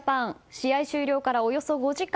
試合終了からおよそ５時間。